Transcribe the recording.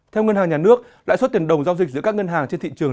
theo ngân hàng nhà nước lãi suất tiền đồng giao dịch giữa các ngân hàng trên thị trường